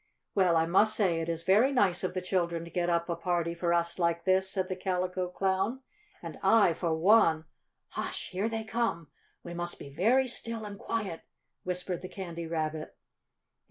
"Well, I must say it is very nice of the children to get up a party for us like this," said the Calico Clown. "And I, for one " "Hush! Here they come! We must be very still and quiet!" whispered the Candy Rabbit.